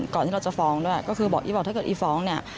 ที่เราจะฟ้องด้วยก็คือบอกอีบอกถ้าเกิดอีฟ้องเนี่ย